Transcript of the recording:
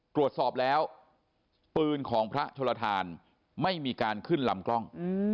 ตรวจสอบแล้วปืนของพระโชลทานไม่มีการขึ้นลำกล้อง